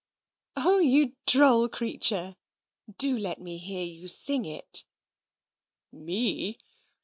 "O you droll creature! Do let me hear you sing it." "Me?